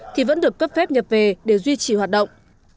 thì vẫn được cấp phép nhập về để duy trì hoạt động